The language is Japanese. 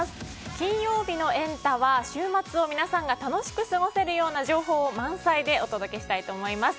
金曜日のエンタ！は週末を皆さんが楽しく過ごせるような情報満載でお届けしたいと思います。